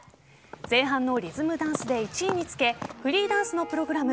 前半のリズムダンスで１位につけフリーダンスのプログラム